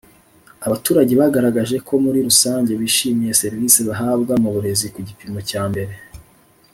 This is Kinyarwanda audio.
Abaturage bagaragaje ko muri rusange bishimiye serivisi bahabwa mu burezi ku gipimo cyambere